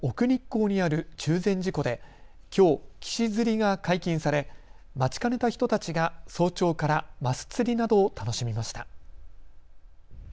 日光にある中禅寺湖できょう岸釣りが解禁され待ちかねた人たちが早朝からマス釣りなどを楽しみました。